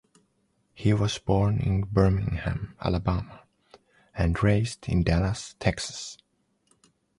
He was born in Birmingham, Alabama and raised in Dallas, Texas.